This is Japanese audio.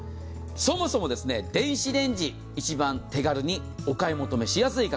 そもそも電子レンジ、一番お買い求めしやすいです。